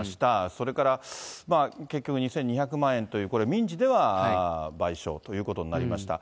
それから結局２２００万円という、これ、民事では賠償ということになりました。